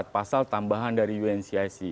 empat pasal tambahan dari uncc